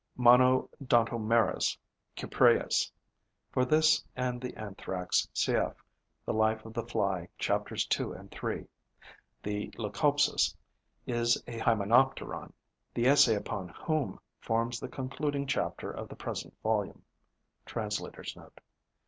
(Monodontomerus cupreus. For this and the Anthrax, cf. "The Life of the Fly": chapters 2 and 3. The Leucopsis is a Hymenopteron, the essay upon whom forms the concluding chapter of the present volume. Translator's Note.)